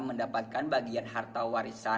mendapatkan bagian harta warisan